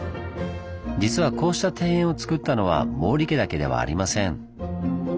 実はこうした庭園をつくったのは毛利家だけではありません。